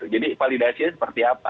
jadi validasinya seperti apa